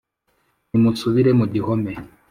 Nimusubire mu gihome